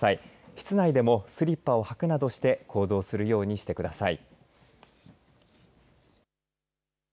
室内でもスリッパを履くなどして行動するようにしてください。